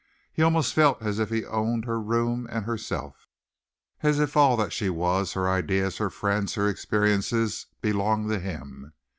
He almost felt as if he owned her room and herself, as if all that she was her ideas, her friends, her experiences belonged to him.